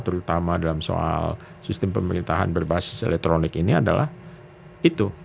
terutama dalam soal sistem pemerintahan berbasis elektronik ini adalah itu